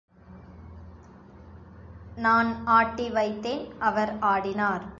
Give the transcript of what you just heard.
நான் ஆட்டிவைத்தேன், அவர் ஆடினார்.